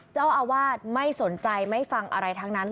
เจ้าอาวาสไม่สนใจไม่ฟังอะไรทั้งนั้น